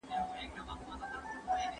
هغه د یوې ایډیال او آرماني ټولني په لټه کي و.